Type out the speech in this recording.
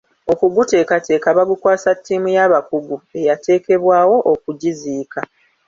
Okuguteekateeka bagukwasa ttiimu y'abakugu eyateekebwawo okugiziika.